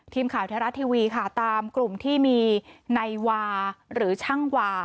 ทีมข่าวไทยรัฐทีวีค่ะตามกลุ่มที่มีนายวาหรือช่างวา